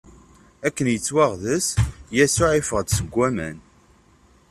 Akken yettwaɣḍeṣ, Yasuɛ iffeɣ-d seg waman.